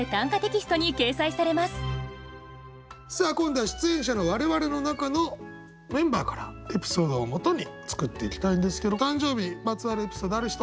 さあ今度は出演者の我々の中のメンバーからエピソードをもとに作っていきたいんですけど誕生日まつわるエピソードある人。